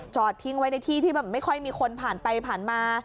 จอดทิ้งไว้ในที่ที่แบบไม่ค่อยมีคนผ่านไปผ่านมา